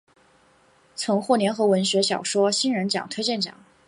曾获联合文学小说新人奖推荐奖。